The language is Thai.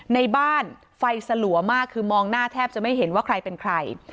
ในบ้านไฟสลัวมากคือมองหน้าแทบจะไม่เห็นว่าใครเป็นใคร